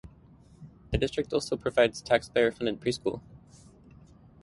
The District also provides taxpayer funded preschool.